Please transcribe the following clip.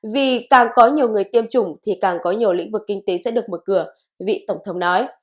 vì càng có nhiều người tiêm chủng thì càng có nhiều lĩnh vực kinh tế sẽ được mở cửa vị tổng thống nói